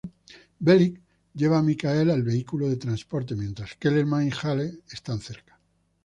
Bellick lleva a Michael al vehículo de transporte, mientras Kellerman y Hale están cerca.